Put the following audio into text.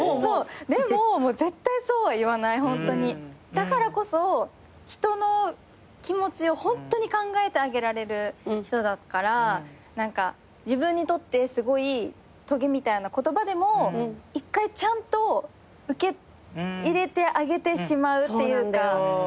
だからこそ人の気持ちをホントに考えてあげられる人だから自分にとってすごいとげみたいな言葉でも１回ちゃんと受け入れてあげてしまうというか。